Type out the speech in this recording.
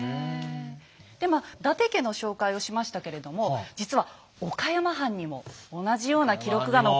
でまあ伊達家の紹介をしましたけれども実は岡山藩にも同じような記録が残っていたんですよ。